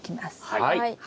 はい。